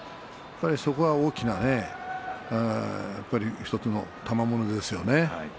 そこが大きな１つのたまものですよね。